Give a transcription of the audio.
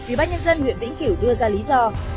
ubnd nguyễn vĩnh kiểu đưa ra lý do